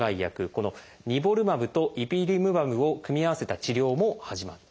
この「ニボルマブ」と「イピリムマブ」を組み合わせた治療も始まっているんです。